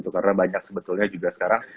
karena banyak sebetulnya juga sekarang